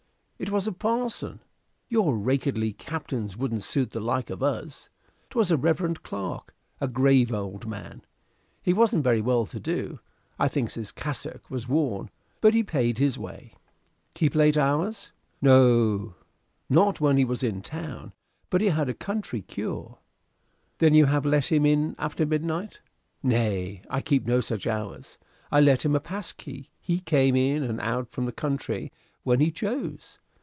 It was a parson. Your rakehelly captains wouldn't suit the like of us. Twas a reverend clerk, a grave old gentleman. He wasn't very well to do, I thinks his cassock was worn, but he paid his way." "Keep late hours?" "Not when he was in town; but he had a country cure." "Then you have let him in after midnight." "Nay, I keep no such hours. I lent him a pass key. He came in and out from the country when he chose.